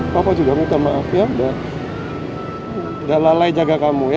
papa juga minta maaf ya udah lalai jaga kamu ya